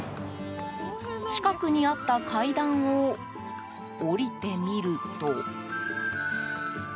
近くにあった階段を下りてみると。